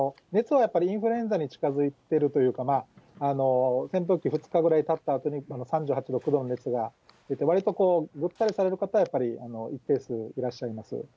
熱はやっぱりインフルエンザに近づいているというか、潜伏期、２日ぐらいたったあとに３８度、９度の熱が出て、わりとぐったりされる方は一定数いらっしゃいます。